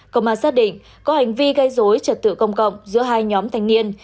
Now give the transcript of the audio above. cổng toán nhân dân tỉnh tiền giang có hành vi gây dối trật tự công cộng giữa hai nhóm thanh niên